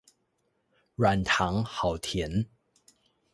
軟糖好甜